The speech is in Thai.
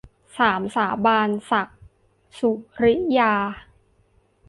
สามสาบาน - ศักดิ์ สุริยา